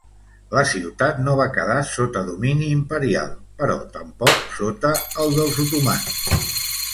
La ciutat no va quedar sota domini imperial però tampoc sota el dels otomans.